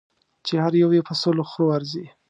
چې هر یو یې په سلو خرو ارزي.